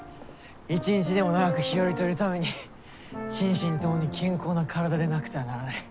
一日でも長く日和といるために心身ともに健康な体でなくてはならない。